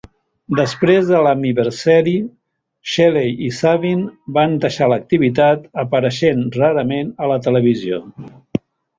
Després de Slammiversary, Shelley i Sabin van deixar l'activitat, apareixent rarament a la televisió.